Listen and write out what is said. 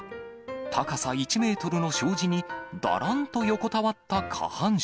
高さ１メートルの障子に、だらんと横たわった下半身。